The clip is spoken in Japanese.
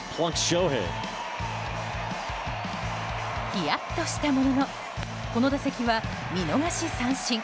ヒヤッとしたもののこの打席は見逃し三振。